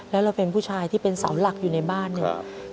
แล้วเราเป็นผู้ชายที่เป็นเสาหลักอยู่ในบ้านเนี่ย